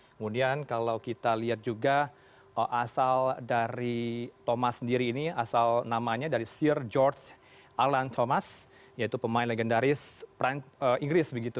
kemudian kalau kita lihat juga asal dari thomas sendiri ini asal namanya dari search george alan thomas yaitu pemain legendaris inggris begitu